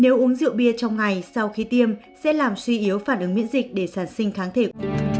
nếu uống rượu bia trong ngày sau khi tiêm sẽ làm suy yếu phản ứng miễn dịch để sản sinh kháng thịt